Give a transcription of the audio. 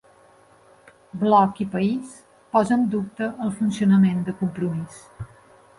Bloc i País posa en dubte el funcionament de Compromís